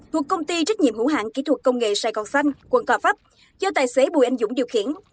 thuộc công ty trách nhiệm hữu hạng kỹ thuật công nghệ sài gòn xanh quận cò pháp do tài xế bùi anh dũng điều khiển